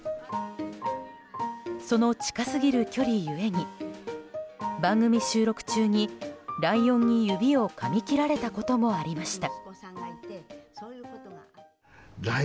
その近すぎる距離ゆえに番組収録中に、ライオンに指をかみ切られたこともありました。